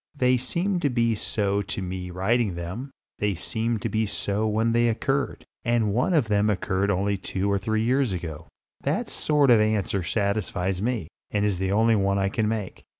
They seem to be so to me writing them; they seemed to be so when they occurred, and one of them occurred only two or three years ago. That sort of answer satisfies me, and is the only one I can make.